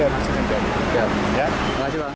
ya terima kasih bang